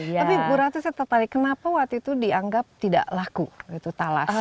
tapi bu ratu saya tertarik kenapa waktu itu dianggap tidak laku itu talas